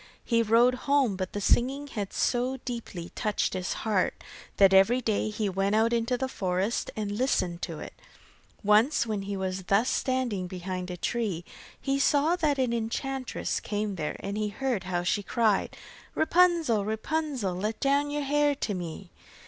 He rode home, but the singing had so deeply touched his heart, that every day he went out into the forest and listened to it. Once when he was thus standing behind a tree, he saw that an enchantress came there, and he heard how she cried: 'Rapunzel, Rapunzel, Let down your hair to me.